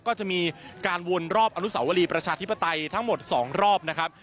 ก็จะมีการวนรอบอนุสาวรีประชาธิปไตยทั้งหมด๒รอบนะครับ